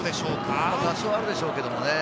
多少あるでしょうけどもね。